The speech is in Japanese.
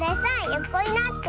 よこになって。